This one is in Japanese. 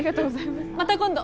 また今度！